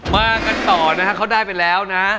มากันต่อนะครับเขาได้ไปแล้วนะ